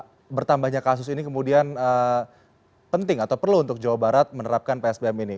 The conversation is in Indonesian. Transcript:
apakah bertambahnya kasus ini kemudian penting atau perlu untuk jawa barat menerapkan psbm ini